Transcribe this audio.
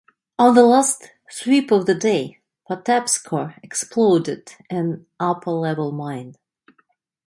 On the last sweep of the day "Patapsco" exploded an upper level mine.